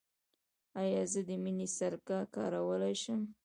ایا زه د مڼې سرکه کارولی شم؟